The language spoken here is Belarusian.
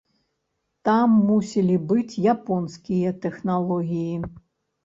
Там мусілі быць японскія тэхналогіі.